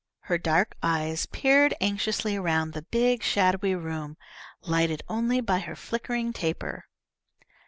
Her dark eyes peered anxiously around the big shadowy room, lighted only by her flickering taper.